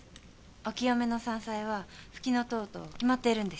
お清めの山菜はフキノトウと決まっているんです。